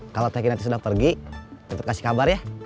kalau tehkin nanti sudah pergi tetep kasih kabar ya